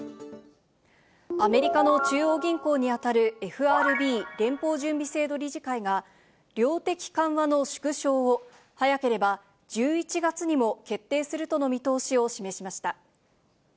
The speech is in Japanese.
アメリカの中央銀行に当たるＦＲＢ・連邦準備制度理事会が、量的緩和の縮小を、早ければ１１月にも決定するとの見通しを示しました。